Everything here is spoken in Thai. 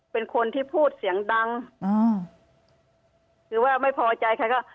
เป็นคนที่พูดเสียงดังอ่าคือว่าไม่พอใจใครก็